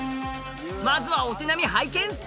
まずはお手並み拝見っす。